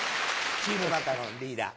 チームマカロンリーダー